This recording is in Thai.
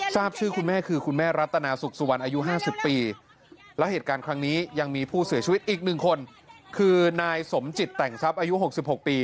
ทราบชื่อคุณแม่คือคุณแม่รัตนาสุขสุวรรณอายุ๕๐ปี